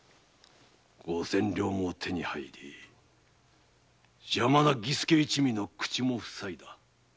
五千両も手に入り邪魔な儀助一味の口もふさいだ。